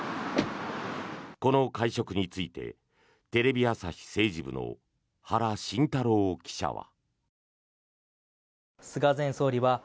この会食についてテレビ朝日政治部の原慎太郎記者は。